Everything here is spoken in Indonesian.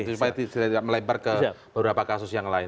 supaya tidak melebar ke beberapa kasus yang lain